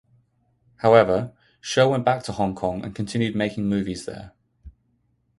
However, Shou went back to Hong Kong and continued making movies there.